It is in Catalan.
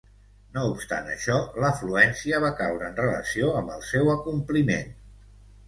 No obstant això, l'afluència va caure en relació amb el seu acompliment.